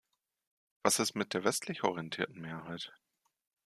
Was ist mit der westlich orientierten Mehrheit?